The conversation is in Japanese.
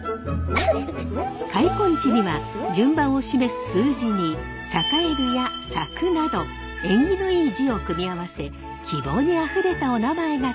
開墾地には順番を示す数字に「栄える」や「咲く」など縁起のいい字を組み合わせ希望にあふれたおなまえが付けられました。